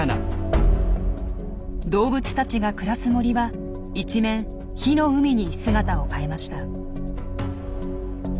動物たちが暮らす森は一面火の海に姿を変えました。